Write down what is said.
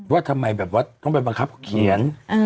ว่าทำไมที่แตกวัดต้องไปบังคับเขียน